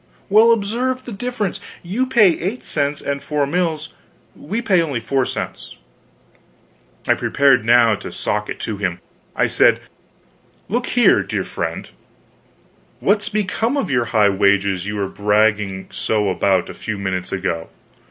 "Well, observe the difference: you pay eight cents and four mills, we pay only four cents." I prepared now to sock it to him. I said: "Look here, dear friend, _what's become of your high wages you were bragging so about a few minutes ago?